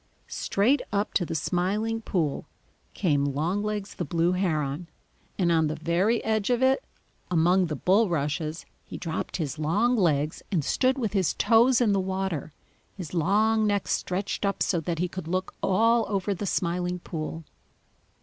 Straight up to the Smiling Pool came Longlegs the Blue Heron, and on the very edge of it, among the bulrushes, he dropped his long legs and stood with his toes in the water, his long neck stretched up so that he could look all over the Smiling Pool.